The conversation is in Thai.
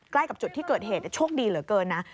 ใกล้กับจุดที่เกิดเหตุโชคดีเหลือเกินนะ